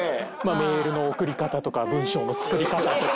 メールの送り方とか文章の作り方とか。